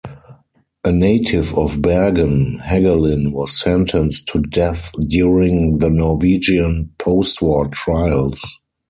A native of Bergen, Hagelin was sentenced to death during the Norwegian post-war trials.